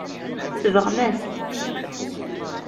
Tsebɣem-as-t.